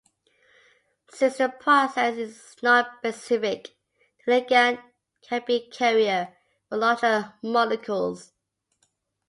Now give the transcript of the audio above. Since the process is non-specific, the ligand can be a carrier for larger molecules.